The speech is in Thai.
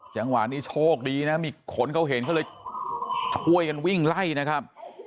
จังหวะนี้โชคดีนะมีคนเขาเห็นเขาเลยช่วยกันวิ่งไล่นะครับ